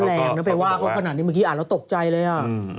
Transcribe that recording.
แรงนะเพราะว่าเขาขนาดนี้เมื่อกี้อ่านแล้วตกใจเลยอะ